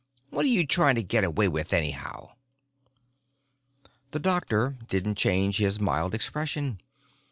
What are you trying to get away with anyhow?" The doctor didn't change his mild expression.